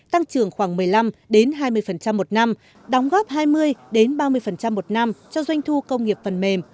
tăng trưởng khoảng một mươi năm hai mươi một năm đóng góp hai mươi ba mươi một năm cho doanh thu công nghiệp phần mềm